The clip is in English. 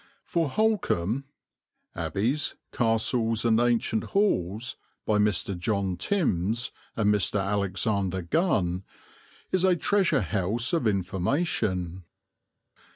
For Holkham, Abbeys, Castles and Ancient Halls, by Mr. John Timbs and Mr. Alexander Gunn, is a treasure house of information.